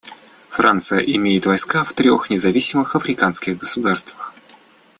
Франция имеет войска в трех независимых африканских государствах.